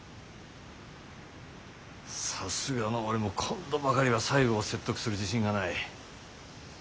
さすがの俺も今度ばかりは西郷を説得する自信がない。